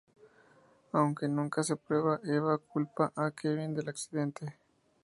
Aunque nunca se prueba, Eva culpa a Kevin del accidente.